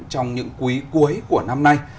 trong những quý cuối của năm nay